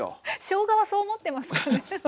しょうがはそう思ってますかね？